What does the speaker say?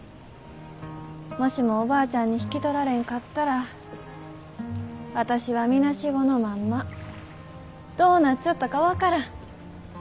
もしもおばあちゃんに引き取られんかったら私はみなしごのまんまどうなっちょったか分からん。